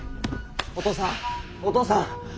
お父さんお父さん！